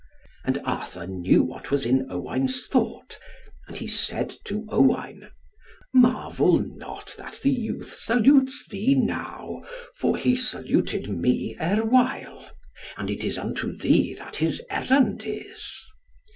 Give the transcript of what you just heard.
And Arthur knew what was in Owain's thought. And he said to Owain, "Marvel not that the youth salutes thee now, for he saluted me erewhile; and it is unto thee that his errand is."